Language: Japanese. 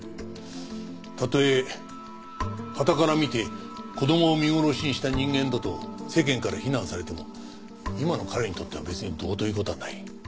たとえはたから見て子供を見殺しにした人間だと世間から非難されても今の彼にとっては別にどうという事はない。